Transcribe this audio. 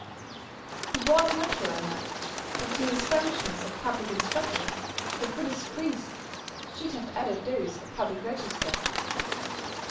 It was natural enough that to his functions of public instructor, the Buddhist priest should have added those of a public registrar.